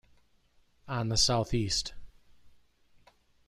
On the Southeast.